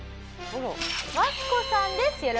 ワスコさんです。